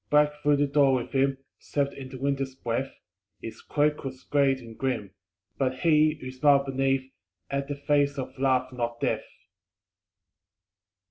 _ Black through the door with him Swept in the Winter's breath; His cloak was great and grim But he, who smiled beneath, Had the face of Love not Death.